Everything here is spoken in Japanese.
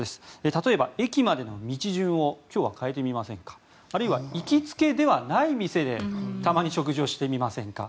例えば、駅までの道順を変えてみませんかとかあるいは、行きつけではない店でたまに食事をしてみませんか。